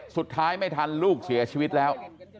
สุดท้ายไม่ทันลูกเสียชีวิตแล้ว